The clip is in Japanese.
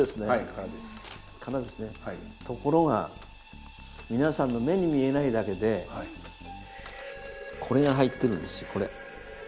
ところが皆さんの目に見えないだけでこれが入ってるんですよこれ。